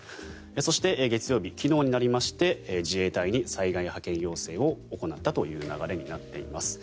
そして月曜日、昨日になりまして自衛隊に災害派遣要請を行ったという流れになっています。